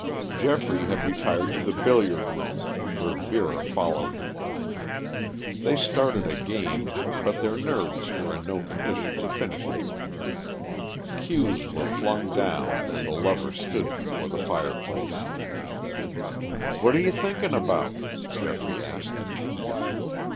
Geoffrey had retired to the billiard room, where Vera followed him. They started a game, but their nerves were in no condition to finish it. Cues were flung down and the lovers stood before the fireplace. "What are you thinking about?" Geoffrey asked.